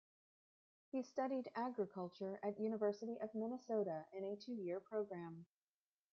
He studied agriculture at University of Minnesota in a two-year program.